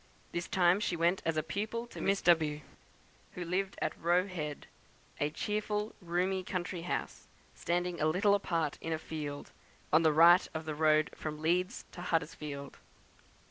This time she went as a pupil to Miss W , who lived at Roe Head, a cheerful roomy country house, standing a little apart in a field, on the right of the road from Leeds to Huddersfield.